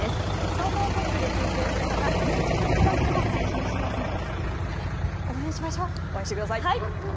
総合テレビで中継するほかＮＨＫプラスでも配信しますのでみんなで応援しましょう。